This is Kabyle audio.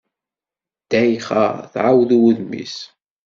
Ddayxa tɛawed i wudem-is.